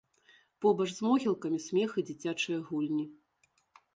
Побач з могілкамі смех і дзіцячыя гульні.